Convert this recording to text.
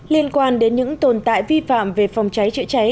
liên quan đến những tồn tại vi phạm về phòng cháy chữa cháy